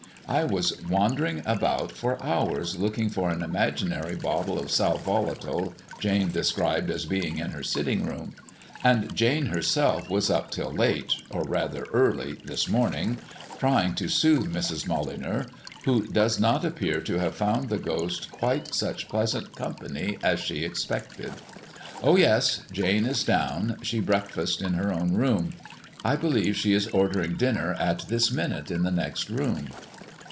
I was wandering about for hours looking for an imaginary bottle of sal volatile Jane described as being in her sitting room: and Jane herself was up till late or rather early this morning, trying to soothe Mrs. Molyneux, who does not appear to have found the ghost quite such pleasant company as she expected. Oh yes, Jane is down; she breakfasted in her own room. I believe she is ordering dinner at this minute in the next room."